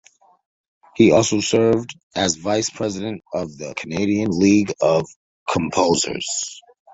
He also served as vice-president of the Canadian League of Composers.